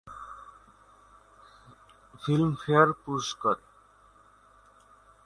Filmfare পুরস্কার